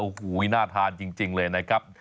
โอ้โหน่าทานจริงเลยนะครับ